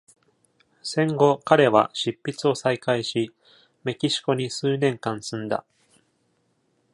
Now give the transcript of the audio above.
戦後、彼は執筆を再開し、メキシコに数年間住んだ。